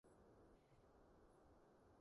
用玄學預測金融風險愈來愈流行